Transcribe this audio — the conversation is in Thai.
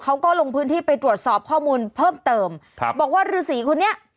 เขาก็ลงพื้นที่ไปตรวจสอบข้อมูลเพิ่มเติมครับบอกว่าฤษีคนนี้